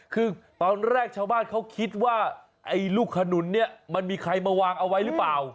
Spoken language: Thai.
คือตอนแรกชาวบ้านเขาคิดว่าไอ้ลูกขนุนเนี่ยมันมีใครมาวางเอาไว้หรือเปล่า